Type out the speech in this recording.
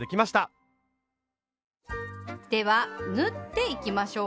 では縫っていきましょう。